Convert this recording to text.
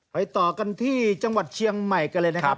ต่อกันที่จังหวัดเชียงใหม่กันเลยนะครับ